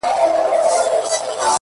ستا د ښايستو سترگو له شرمه آئينه ماتېږي’